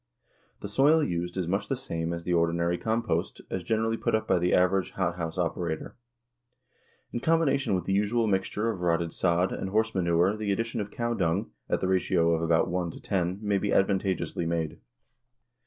The soil used is much the same as the ordinary compost as generally put up by the average hothouse operator. In combination with the usual mixture of rotted sod and horse manure the addition of cow dung, at the ratio of about one to ten, may be advantageously made.